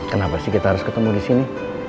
kenapa sih kita harus ketemu di sini